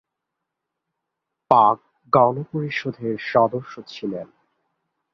পাক-গণপরিষদের সদস্য ছিলেন।